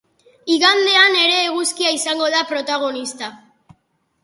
Igandean ere eguzkia izango da protagonista.